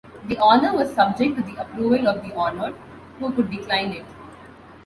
The honor was subject to the approval of the honored, who could decline it.